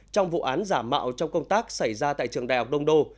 trong vụ án giả mạo trong công tác xảy ra tại trường đại học đông đô